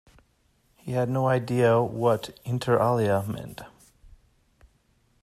He had no idea what inter alia meant.